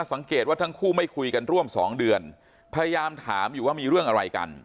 สังเกตว่าทั้งคู่ไม่คุยกันร่วมสองเดือนพยายามถามอยู่ว่ามีเรื่องอะไรกัน